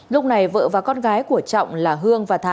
lúc này vợ và con gái của trọng là hương và thái